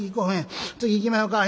次行きまひょか。